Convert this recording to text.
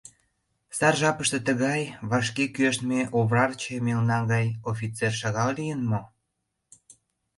Сар жапыште тыгай, вашке кӱэштме оварче мелна гай, офицер шагал лийын мо?